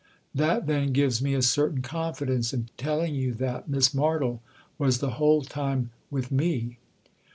" That, then, gives me a certain confidence in telling you that Miss Martle was the whole time with me."